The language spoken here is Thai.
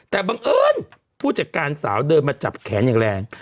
แต่บังเอิญผู้จัดการสาวเดินมาจับแขนอย่างแรง